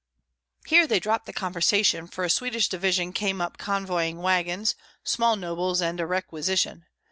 Here they dropped the conversation, for a Swedish division came up convoying wagons, small nobles, and a "requisition."